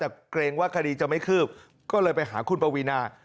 แต่เกรงว่าคดีจะไม่คืบก็เลยไปหาคุณปวีนา